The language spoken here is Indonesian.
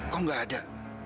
kok nggak ada